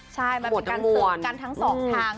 ใช่มันเป็นการสืบกันทั้งสองทาง